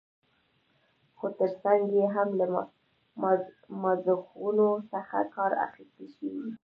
خو تر څنګ يې هم له ماخذونو څخه کار اخستل شوى دى